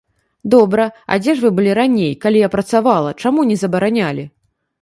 Добра, а дзе ж вы былі раней, калі я працавала, чаму не забаранялі?